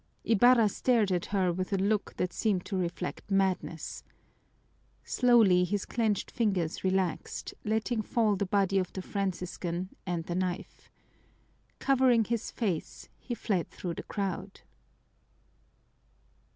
Ibarra stared at her with a look that seemed to reflect madness. Slowly his clenched fingers relaxed, letting fall the body of the Franciscan and the knife. Covering his face, he fled through the crowd.